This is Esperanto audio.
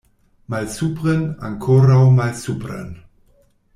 Malsupren, ankoraŭ malsupren!